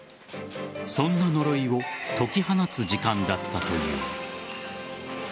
そんな呪いを解き放つ時間だったという。